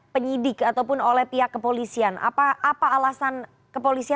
pokoknya pokoknya pokoknya tidak ada alasan yang terluka